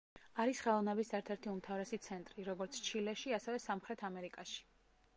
არის ხელოვნების ერთ-ერთი უმთავრესი ცენტრი, როგორც ჩილეში ასევე სამხრეთ ამერიკაში.